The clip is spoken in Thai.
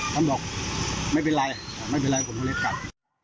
ท่านบอกไม่เป็นไรไม่เป็นไรผมก็เลยกลับ